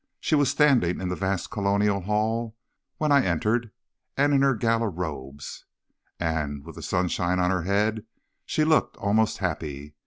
She was standing in the vast colonial hall when I entered, and in her gala robes, and with the sunshine on her head, she looked almost happy.